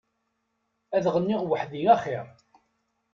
Ad ɣenniɣ weḥdi a xir.